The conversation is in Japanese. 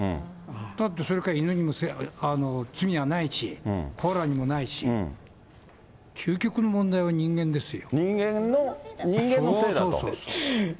だってそれから犬にも罪はないし、コアラにもないし、究極の問題は人間ですよ。